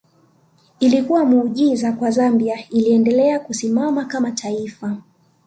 Ilikuwa muujiza kwa Zambia iliendelea kusimama kama taifa